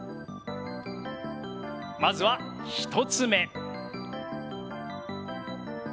まずは１つ目。